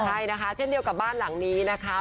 ครับข้ายะนะคะเช่นเดียวกับบ้านหลังนี้นะคะ